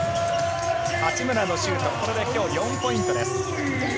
八村のシュート、これで４ポイントです。